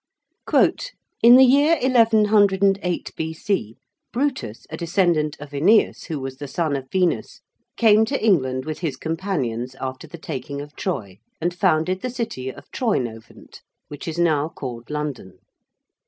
'In the year 1108 B.C., Brutus, a descendant of Æneas, who was the son of Venus, came to England with his companions, after the taking of Troy, and founded the City of Troynovant, which is now called London.